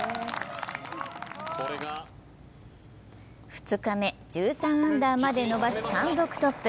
２日目、１３アンダーまで伸ばし単独トップ。